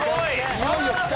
いよいよきた。